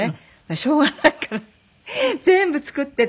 しょうがないから全部作っていって。